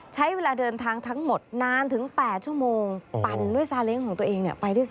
ใช้เวลาเดินทางทั้งหมดนานถึง๘ชั่วโมงปั่นด้วยซาเล้งของตัวเองไปด้วยซ